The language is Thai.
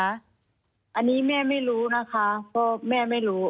อันนี้แม่ไม่รู้นะคะเพราะแม่ไม่รู้